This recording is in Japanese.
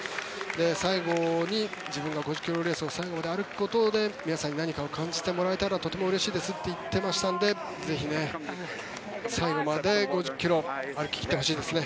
最後に自分が５０ｋｍレースを最後まで歩くことで皆さんに何かを感じてもらえたらうれしいですと言っていましたのでぜひ、最後まで５０ｋｍ歩き切ってほしいですね。